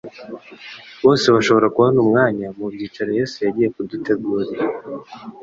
Bose bashobora kubona umwanya mu byicaro Yesu yagiye kudutegurira.